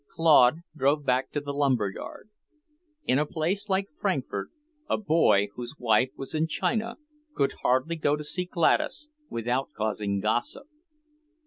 Claude drove back to the lumber yard. In a place like Frankfort, a boy whose wife was in China could hardly go to see Gladys without causing gossip.